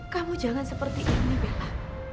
kamu jangan seperti ini bella